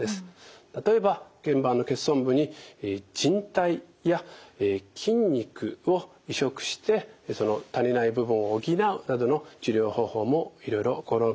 例えばけん板の欠損部にじん帯や筋肉を移植してその足りない部分を補うなどの治療方法もいろいろ試みられています。